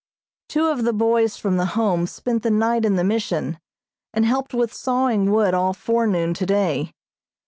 Two of the boys from the Home spent the night in the Mission, and helped with sawing wood all forenoon today.